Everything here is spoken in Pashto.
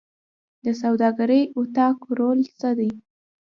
د سوداګرۍ اتاق رول څه دی؟